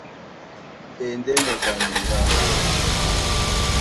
A e ndé moto a nyuŋgá.